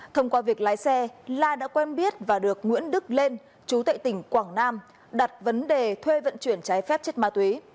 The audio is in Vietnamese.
thông qua việc lái xe la đã quen biết và được nguyễn đức lên chú tệ tỉnh quảng nam đặt vấn đề thuê vận chuyển trái phép chất ma túy